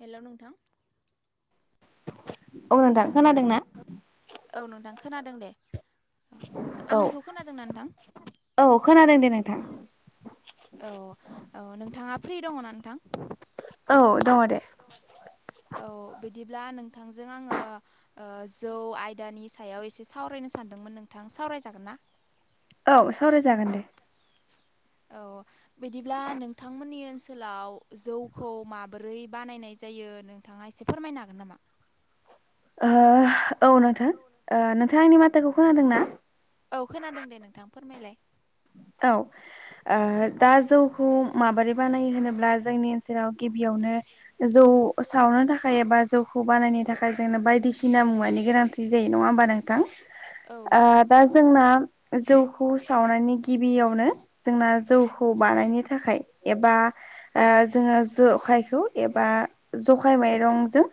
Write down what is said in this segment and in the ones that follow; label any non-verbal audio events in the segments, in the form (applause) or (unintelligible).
हेल' नोंथां औ नोंथां खोनादों ना औ नोंथां खोनादों दे। औ आंनिखौ खोनादोंना नोंथां औ खोनादों दे नोंथां। औ औ नोंथाङा फ्रि दङना नोंथां औ दङ दे। औ बिदिब्ला नोंथांजों आङो ओ जौ आयदानि सायाव एसे सावरायनो सानदोंमोन नोंथां सावरायजागोन ना औ सावरायजागोन दे औ बिदिब्ला नोंथांमोननि ओनसोलाव जौ खौ माबोरै बानायनाय जायो जायो नोंथाङा एसे फोरमायनो हागोन नामा? ओ औ नोंथां। ओ नोंथां आंनि माथाखौ खोनादों ना? औ खोनादों दे नोंथां फोरमायलाय। औ ओ दा जौखौ माबोरै बानायो होनोब्ला जोंनि ओनसोलाव गिबियावनो जौ सावनो थाखाय एबा जौखौ बानायनो थाखाय जोंनो बाय यदिसिना मुवानि गोनांथि जायो नङा होमबा नोंथां! औ दा जोंना जौ खौ सावनानै गिबियावनो जोंना जौखौ बानायनो थाखाय एबा जोङो जखायखौ एबा जखाय माइरंजों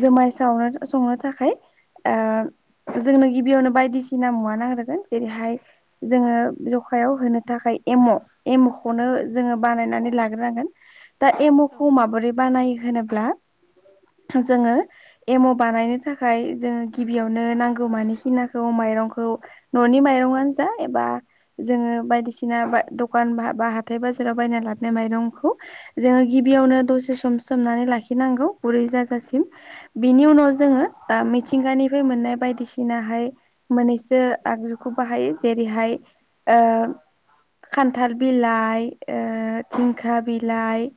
जुमाय सावनो संनो थाखाय ओ जोंनो गिबियावनो बायदिसिना मुवा नांग्रोगोन जेरैहाय जोङो आफायाव होनो थाखाय एम' एम'खौनो जोङो बानायनानै लाग्रोनांगोन दा औ एम'खौ माबोरै बानायो होनोब्ला जोङो एम' बानायनो थाखाय जोङो गिबियावनो नांगौ मानिखि नाखौमाय मंखौ न'नि माइरंनो जा एबा जोङो बायदिसिना बा दखान बा हाथाय बाजाराव बायना लाबोनाय माइरंखौ जों गिबि यावनो दसे सम सोमनानै लाखिनांगौ गुरै जाजासिम। बिनि उनाव जोङो थिंगानिफ्राय मोननाय बायदिसिनाहाय मोननैसो आगजुखौ बाहायो जेरैहाय ओ खान्थाल बिलाइ ओ थिंखा बिलाइ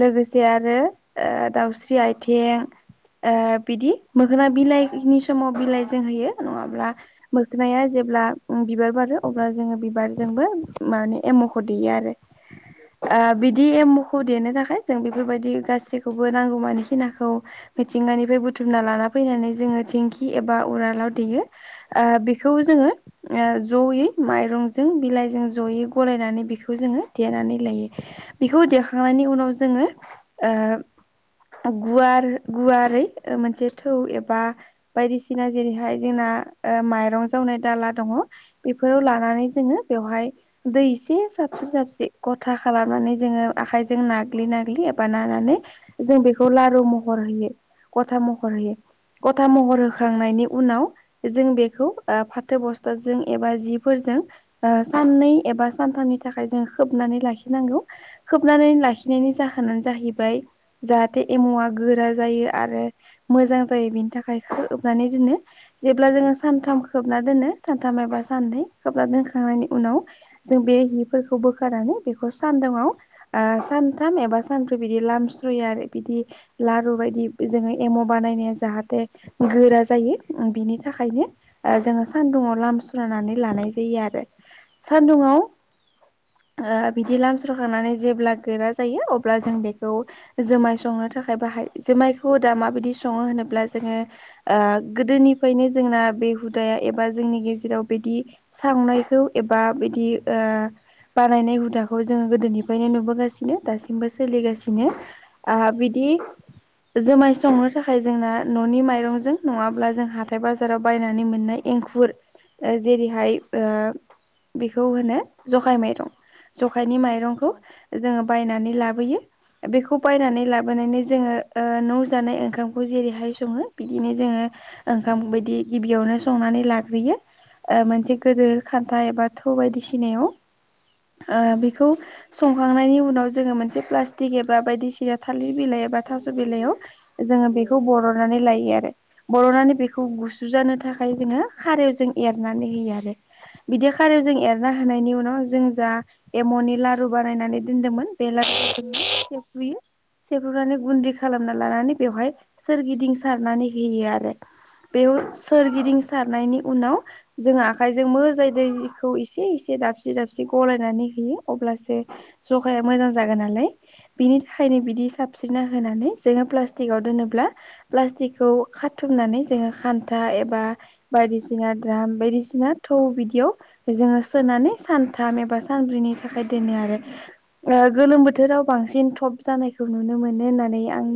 लोगोसे आरो दाउस्रि आइथिं ओ बिदि मोखोना बिलाइनि समाव बिलाइ जों होयो नङाब्ला मोखोनाया जो जब्ला बिबार बारो अब्ला जोङो। बिबार जोंबो एमाव खौदेयो औ आरो देनो थाखाय जों बेफोरबायदि गासैखौबो नांगौमानिखिनाखौ मिथिंगानिफ्राय बुथुमना लाना फैनाय। जोंङो दिंखि एबा उवालाव देयो। बिलाइ जों गलायनै जोनानै ल बेखौ दखांनायनि उनाव जो ओ। गुवार गुवारै मोनसे थौ एबा बायदिसिना जेरैहाय जोंना ओ मायरं जावनाय दाला दं। ओ दै एसे सारस्रिना होयो एबा नानानै जों बेखौ लारु महर होयो गथा महर होयो। गथा महर होखांनायनि उनाव जों बे खौ फाथो बस्थाजों एबा जि फोरजों। ओ साननै एबा सानथामनि थाखाय जोङो खोबनानै लाखिनांगौ खोबनानै लाखिनायनि जाहोन। नो जाहैबाय जाहाथे एम'आ गोरा जायो आरो मोजां जायो बेनि थाखाय। खोबनानै दोनो जेब्ला जोङो सानथाम खोबना दोनो सानथाम एबा सानै खोबना दोनखा थांनायनि उनाव जों बे हिफोरखौ बोखारनानै बेखौ सानदुंआव सानथाम एबा सानब्रै बिदि। (unintelligible) आरो बिदि लारु बायदि जोङो एम' बानायनाया जाहाथे गोरा जायो। बिनि थाखायनो जोङो सान्दुुंआव लाम सुनानै लानाय जायो आरो औ सानदुंआव बिदि लामस्रखांनानै जेब्ला गोरा जायो अब्ला जों बेखौ जोमाय संनो थाखाय बाहायो। जुयखौ दा माबादि सोङो होनोब जोंओ गोदोनिफ्रायनो जोंना बे हुदाया। हुदाया एबा जोंनि गेजेराव बिदि सावनायखौ एबा बिदि ओ बानायनाय हुदाखौ जोङो गोदोनिफ्रायनो नुबोगासिनो दासिमबो सोलिगासिनो आ बिदि। (unintelligible) जुमाय संनो थाखाय जोंना न'नि माइरंजों नङाब्ला जों हाथाय बाजाराव बायनानै मोननाय एंखुर ओ जेरैहाय ओ बेखौ होनो जखाय माइरं जखायनि माइरंखौ औ जोङो। बायनानै लाबोयो। बेखौ बायनानै लाबोनानै जोङो न' जानाय ओंखामखौ जेरैहाय सङो बिदिनो जोङो। ओंखाम बायदि गिबियावनो संनानै लाग्रोयो मोनसे गिदिर खान्था एबा थौ बायदिसिनायाव बेखौ संखांनायनि उनाव जोङो मोनसे प्लास्टिक एबा बायदिसिना थालिर बिलाइ। एबा थास' बिलाइयाव जोङो बेखौ बर'नानै लायो। आरो बर'नानै बेखौ गुसु जानो थाखाय थाखाय जोङो खारौ जों एरनानै होयो आरो बिदि खारो जों एरना होनायनि उनाव जों जा एम'नि लारु बानायनानै दोनदोंमोन बे (unintelligible) सेफ्रुनानै गुन्दै खालामना लानानै बेवहाय सोरगिदिं सारनानै होयो आरो बेयाव सोरगिदिं सारनायनि उनाव जों आखाय जों मोजां दैखौसे सारस्रि गनानै होयो अब्लासो जखाया मोजां जागोन नालाय बिनि औ थाखायनो बिदि साबस्रिना होनानै। जोङो प्लास्टिकाव दोनोब्ला प्लास्टिकखौ खाथुमनानै जोङो खान्था एबा बायदिसिना द्राम बायदिसिना थौ बिदियाव जोङो सोनानै सानथाम एबा सानब्रैनि थाखाय दोनो आरो गोलोम बोथोराव बांसिन थप जानायखौ नुनो मोनो होननानै आं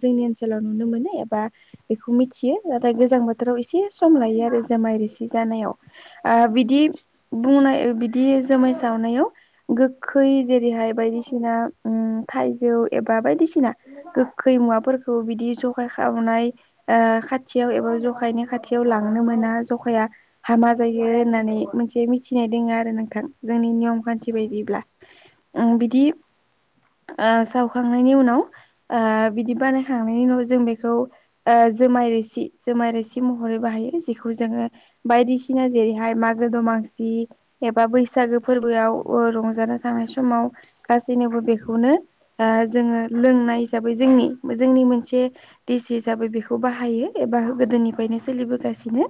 जोंनि ओनसोलाव नु नुनो मोनो एबा बेखौ मिथियो नाथाय गोजां बोथोराव एसे सम लायो आरो जमाय रिसि जानायाव ओ बिदि बुंनाय बिदि जोमाय सावनायाव गोखै जेरै हा य बायदिसिना थाइजौ एबा बायदिसिना गोखै मुवाफोरखौ बिदि ज सखाय खावनाय खाथियाव एबा जखायनि खाथियाव लांनो मोना जखाया हामा जायो होननानै मोनसे मिथिनाय दोङ आरो नोंथां जोंनि नियम खान्थि औ बायदिब्ला उम बिदि ओ सावखांनायनि उनाव ओ बिदि बानायखांनायनि उनाव जों बेखौ ओ जुमाय रोसि जुमाय रोसि महरै बाहायो जेखौ जोंङो बायदिसिना जेरैहाय मागो दमासि एबा बैसागो फोरबोआव रंजानो थाखा समाव गासैनोबो बेखौनो ओ जोङो लोंनाय हिसाबै जोंनि जोंनि मोनसे दिस हिसाबै बेखौ बाहायो एबा बा गोदोनिफ्रायनो सोलिबोगासिनो।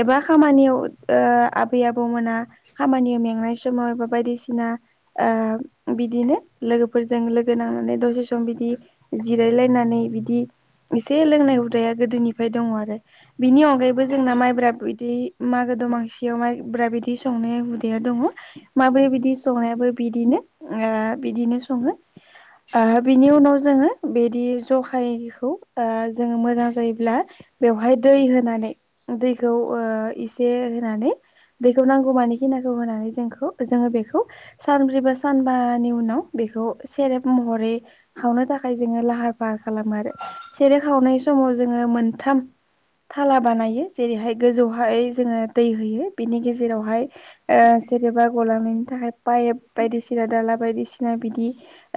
एबा खामानियाव ओ आबै आबौमोना खामानियाव मेंनाय समाव एबा बायदिसिना ओ बिदिनो लोगोफोरजों लोगो नांनानै दसे सम बिदि जिरायलायनानै बिदि इसे लोंनाय हुदाया गोदोनिफ्राय दङ आरो बिनि अनगायै बो जोंना माइब्रा बिदै मागो दमासियाव माइब्रा बिदै संनाया हुदाया दङ। माबोरै बिदै संनायाबो बिदिनो बिदिनो सङो। ओ बिनि उनाव जोंङो बिदि जखायखौ जोंङो मोजां जायोब्ला बेवहाय दै होनानै दै खौ ओ इसे होनानै दैखौ नांगौमानिखिनाखौ होनानै जोंखौ जोंङो बेखौ सानब्रै बा सानबानि उनाव बेखौ सेरेब महरै खावनो थाखाय जोंङो लाहार फाहार खालामो आरो सेरेब खावनाय समाव जोंङो मोनथाम थाला बानायो। जेरैहाय गोजौहाय जोङो दै होयो बिनि गेजेरावहाय ओ सेरेबा गलांनायनि थाखा खाय पाइप बायदिसिना दाला बायदिसिना बिदि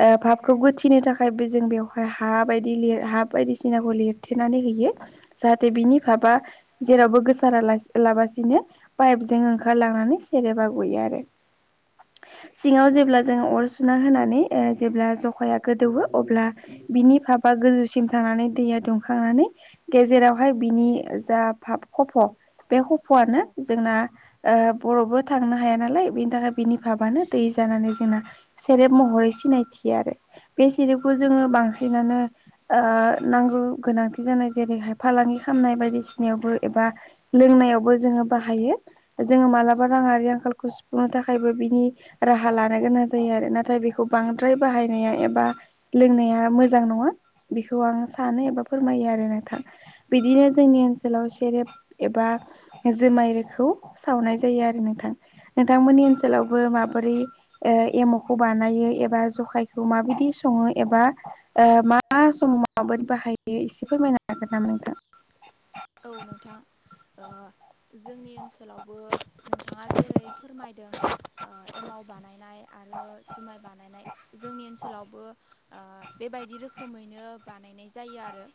ओ भाबखौ गोथिनो थाखायबो जों बेवहाय हा बायदि लिर हा बायदिसिनाखौ लिरथेनानै होयो जाहाथे बिनि भाबा जेरावबो गोसारा लासि लाबासिनो पाइपजों ओंखारलांनानै सेरेबा गयो आरो। (inaudible) सिंङाव जेब्ला जोंङो अर सुना होनानै ओ जेब्ला जखाया गोदौवो अब्ला बिनि भाब बा गोजौसिम थांनानै दैया दुंखांनानै गेजेरावहाय बिनि जा भाब खफ' बे खफ'आनो औ जोंना ओ बर'बो थांनो हाया नालाय बिनि थाखाय बिनि भाबानो दै जानानै जोंना सेरेब महरै सिनायथियो आरो बे सेरेपखौ जोंङो बांसिनानो ओ नांगौ गोनांथि जा नाय जेरैहाय फालांगि खालामनाय बायदिसि नायावबो एबा लोंनायावबो जोंङो बाहायो जोंङो मालाबा राङारि आंखालखौ सुफुंनो था खायबो बिनि राहा लानो गोनां जायो आरो नाथाय बेखौ बांद्राय बाहायनाया एबा लों नाया मोजां नंङा बेखौ आं सानो एबा फोरमायो आरो नोंथां बिदिनो औ जोंनि ओनसो सोलाव सेरेब एबा जुमाय रोखौ सावनाय जायो आरो नोंथां। नोंथांमोननि औ ओनसोलावबो माबोरै ओ एमावखौ बानायो एबा जखायखौ माबायदि संङो एबा मा मा समाव माबोरै बाहायो एसे फोरमायनो हागोन नामा नोंथां? औ नोंथां ओ जोंनि ओनसो सोलावबो नोंथांङा जेरै फोरमायदों ओ एमाव बानायनाय आरो जुमाय बा नायनाय जोंनि ओनसोलावबो ओ बेबायदि रोखोमैनो बानायनाय जायो आरो।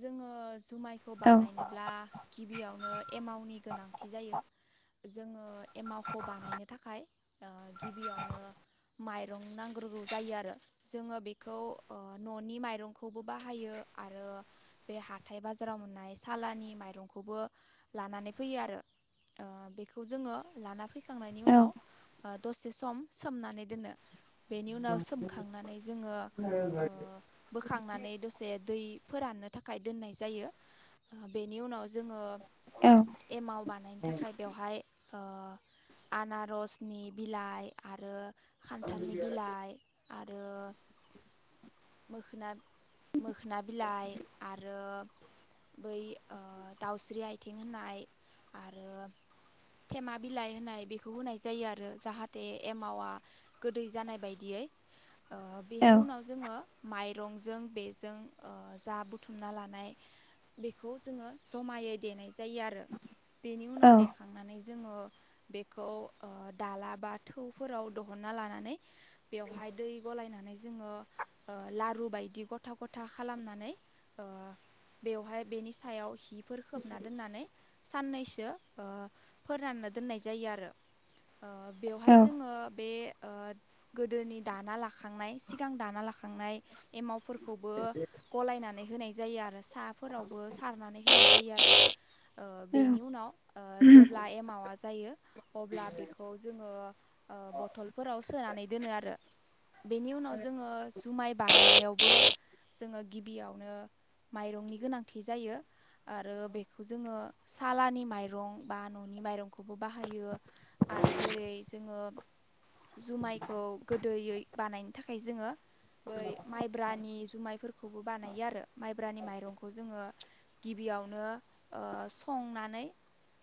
जोंङो जुमाय खौ औ बानायनोब्ला गिबियावनो एमावनि गोनांथि जायो जोंङो एमावखौ बानायनो थाखाय गिबियावनो माइरं नांग्रोगौ जायो आरो जोंङो बेखौ ओ न'नि माइरंखौबो बाहायो। आरो बे हाथाय बाजाराव मो नाय सालानि माइरंखौबो लानानै फैयो आरो। ओ बेखौ जोंङो लाना फैखांनायनि औ उनाव ओ दसे सम सोमनानै दोनो। बेनि उनाव सोमखांनानै जोंङो ओ बोखांनानै दसे दै फोराननो थाखाय दोननाय जायो बेनि उनाव जोंङो औ एमाव बानायनो थाखाय बेवहाय ओ आनारसनि बिलाइ आरो खान्थालनि बिलाइ आरो मोखोना मोखोना बिलाइ आरो बै ओ दाउस्रि आथिं होननाय आरो थेमा बिलाइ होननाय बेखौ होनाय जायो। आरो जाहाथे एमावा गोदै जानाय बायदियै (inaudible) ओ बेनि औ उनाव जोङो माइरंजों बेजों जा बुथुमना लानाय बेखौ जोङो जमायै देनाय जायो आरो बेनि उनाव औ औ देखांनानै जोङो बेखौ ओ दाला बा थोवफोराव दोहन्ना लानानै बेवहाय दै गलायनानै जोङो ओ लारु बायदि गथा गथा खालामनानै ओ बेवहाय बेनि सायाव हिफोर खोबना दोननानै साननैसो ओ फोरनानै दोननाय जायो आरो ओ बेवहाय औ जोङो बे ओ गोदोनि दाना लाखांनाय सिगां दाना लाखांनाय एमावफोरखौबो गलायनानै होनाय जायो आरो साफोरावबो सारनानै होनाय जायो आरो। ओ बेनि उनाव जेब्ला एमावा जायो अब्ला बेखौ जोङो ओ बथलफोराव सोनानै दोनो आरो। बेनि उनाव जोङो जुमाय बानायनायावबो जोङो गिबियावनो माइरंनि गोनांथि जायो आरो बेखौ जोङो सालानि माइरं बा न'नि माइरंखौबो बाहायो। आरो जेरै जोङो जुमायखौ गोदोयै बानायनो थाखाय जोङो बै माइब्रानि जुमायफोरखौबो बानायो आरो माइब मायब्रानि माइरंखौ जोङो गिबियावनो ओ संनानै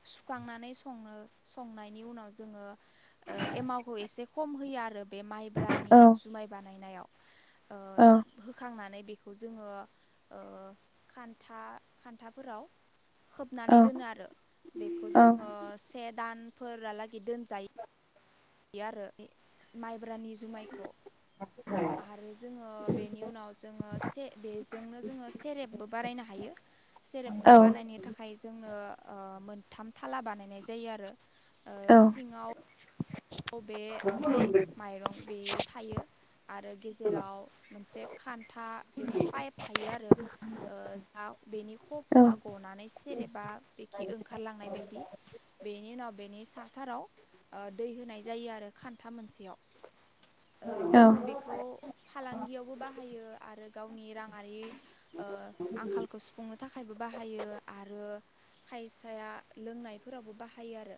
सुखांनानै संनो संनायनि उनाव जोङो एमावखौ एसे खम होया आरो बे माइब्रानि औ जुमाय बानायनायाव। ओ होखांनानै बेखौ जोङो ओ खान्था खान्थाफोराव खोबनानै दोनो आरो बेखौ जोङो औ से दानफोराहालागै दोनजाय यो आरो माइब्रानि जुमायखौ आरो जोङो बेनि उनाव जोङो से बेजोंनो जोङो सेरेबबो बारायनो हायो सेरेबखौ औ बानायनो थाखाय जोंनो ओ मोनथाम थाला बानायनाय जायो आरो ओ औ सिङाव अ' बे औ जाय माइरं बेयो थायो आरो गेजेराव मोनसे खान्था बेवहाय पाइप थायो आरो ओ जा बेनि खफ'वआ गनानै सेरेबा बेखि ओंखारलांनाय बायदि बेनि उनाव बेनि साथाराव ओ दै होनाय जायो आरो खान्था मोनसेयाव ओ जोङो बेखौ फालांगियावबो बाहायो आरो गावनि राङारि ओ आंखालखौ सुफुंनो थाखायबो बाहायो आरो खायसाया लोंनायफोरावबो बाहायो आरो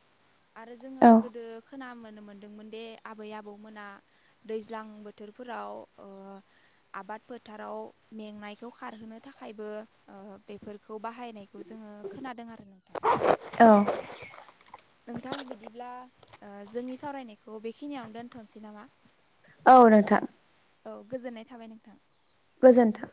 आरो जोङो औ गोदो खोनामोन मोनदोंमोन दे आबै आबौमोना दैज्लां बोथोरफोराव ओ आबाद फोथाराव मेंनायखौ खारहोनो थाखायबो ओ बेफोरखौ बाहायनायखौ जोङो खोनादों आ नोंथां बिदिब्ला जोंनि सावरायनायखौ बेखिनियावनो दोन्थ'नोसै नामा? औ नोंथां औ गोजोननाय थाबाय नोंथां गोजोनथों